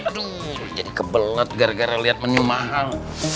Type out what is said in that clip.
aduh jadi kebelet gara gara lihat penyu mahal